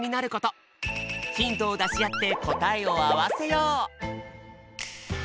ヒントをだしあって答えを合わせよう！